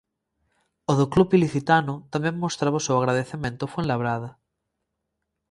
O do club ilicitano tamén mostraba o seu agradecemento ao Fuenlabrada.